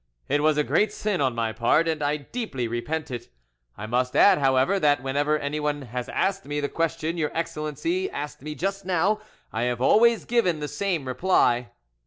It was a great sin on my part, and I deeply repent it. I must add, however, that whenever anyone has asked me the question your Excellency asked me just now I have always given the same reply."